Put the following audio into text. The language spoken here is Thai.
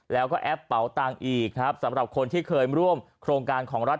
แล้วก็แอปเป๋าตังค์อีกครับสำหรับคนที่เคยร่วมโครงการของรัฐ